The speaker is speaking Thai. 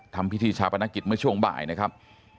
ทำพิธีชาปนกิจเมื่อช่วงบ่ายนะครับ